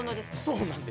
そうなんです。